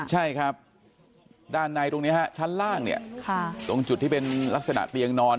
ใช่ครับด้านในตรงนี้ฮะชั้นล่างเนี่ยตรงจุดที่เป็นลักษณะเตียงนอน